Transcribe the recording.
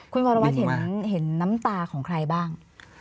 คุณวรวัตรเห็นน้ำตาของใครบ้าง